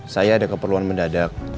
saya ada keperluan mendadak